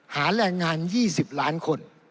หาแรงงาน๒๐ล้านคน